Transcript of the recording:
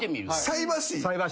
菜箸。